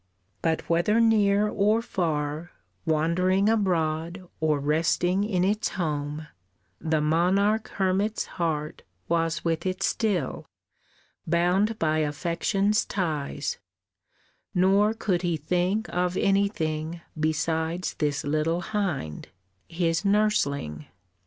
But whether near or far, Wandering abroad, or resting in its home, The monarch hermit's heart was with it still, Bound by affection's ties; nor could he think Of anything besides this little hind, His nursling.